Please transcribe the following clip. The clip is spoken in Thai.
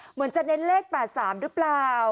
เหมือนจะเน้นเลข๘๓หรือเปล่า